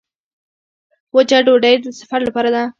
وچه ډوډۍ د سفر لپاره ده.